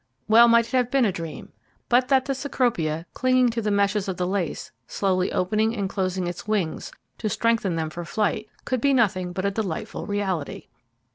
Well might it have been a dream, but that the Cecropia, clinging to the meshes of the lace, slowly opening and closing its wings to strengthen them for flight, could be nothing but a delightful reality.